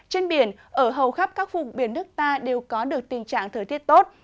trên biển ở hầu khắp các vùng biển nước ta đều có được tình trạng thời tiết tốt